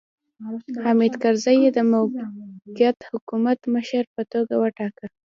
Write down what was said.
حامد کرزی یې د موقت حکومت مشر په توګه وټاکه.